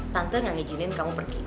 tante gak ngizinin kamu pergi